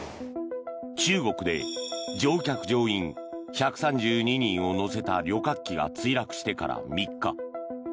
中国で乗客・乗員１３２人を乗せた旅客機が墜落してから３日。